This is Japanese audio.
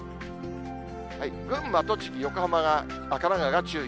群馬、栃木、横浜、神奈川が注意。